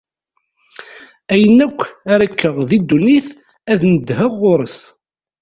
Ayen akk ara kkeɣ di ddunit, ad neddheɣ ɣur-s.